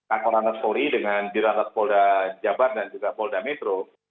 angkor lanarkpuri dengan dirangkat polda jabar dan juga polda metro